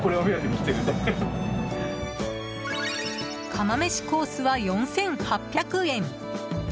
釜飯コースは４８００円。